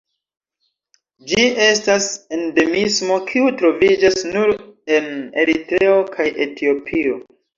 Ĝi estas endemismo kiu troviĝas nur en Eritreo kaj Etiopio.